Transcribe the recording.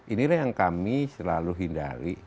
inilah yang kami selalu hindari